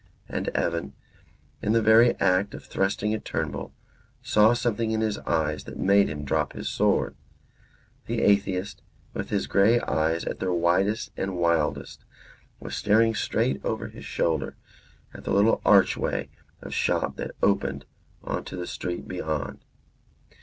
And Evan, in the very act of thrusting at Turnbull, saw something in his eyes that made him drop his sword. The atheist, with his grey eyes at their widest and wildest, was staring straight over his shoulder at the little archway of shop that opened on the street beyond.